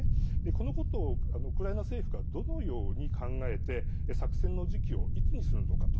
このことをウクライナ政府がどのように考えて作戦の時期をいつにするのかと。